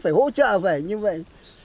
phải hỗ trợ vậy như vậy